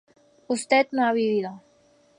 usted no ha vivido